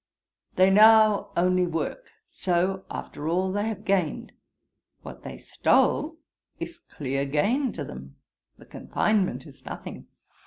They now only work; so, after all, they have gained; what they stole is clear gain to them; the confinement is nothing.